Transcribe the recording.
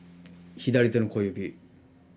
左手の薬指。